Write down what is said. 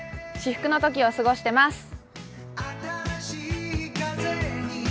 至福の時を過ごしてます。